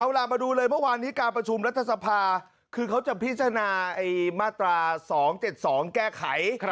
เอาล่ะมาดูเลยเมื่อวานนี้การประชุมรัฐสภาคือเขาจะพิจารณามาตรา๒๗๒แก้ไข